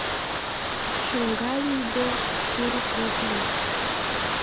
Чоҥга лийде, курык ок лий.